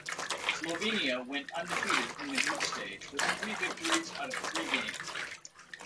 Slovenia went undefeated in the group stage with three victories out of three games.